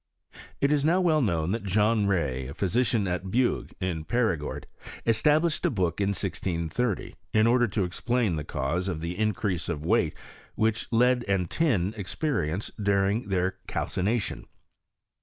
It is now well known that John Key, a physician at Bugue, in Perigord, published a book in 1630, in order to explain the cause ofthe increase of weight which lead and tin experience during their calcina tion.